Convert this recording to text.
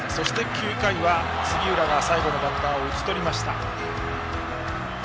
９回は杉浦が最後のバッターを打ち取りました。